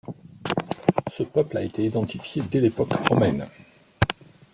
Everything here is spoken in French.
Ce peuple a été identifié dès l'époque romaine.